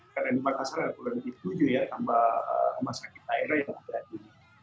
karena di makassar ada pulau yang dituju ya tambah rumah sakit daerah yang terjadi